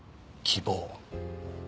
希望？